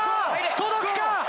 届くか？